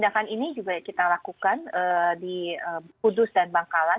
tindakan ini juga kita lakukan di kudus dan bangkalan